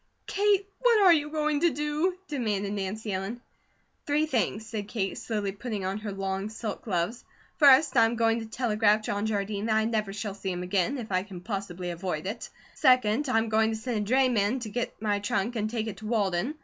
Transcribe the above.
"Kate, what are you going to do?" demanded Nancy Ellen. "Three things," said Kate, slowly putting on her long silk gloves. "First, I'm going to telegraph John Jardine that I never shall see him again, if I can possibly avoid it. Second, I'm going to send a drayman to get my trunk and take it to Walden.